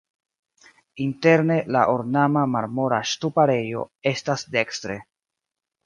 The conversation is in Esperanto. Interne la ornama marmora ŝtuparejo estas dekstre.